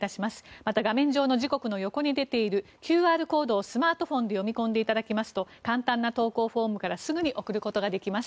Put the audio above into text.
また、画面上の時刻の横に出ているＱＲコードをスマートフォンで読み込んでいただきますと簡単な投稿フォームからすぐに送ることができます。